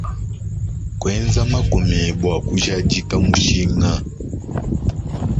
Kuenza makumi bua kujadika mushinga.